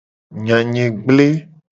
Nya nye gble.